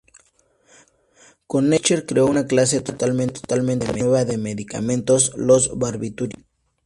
Con ello Fischer creó una clase totalmente nueva de medicamentos: los barbitúricos.